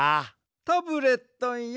タブレットンよ。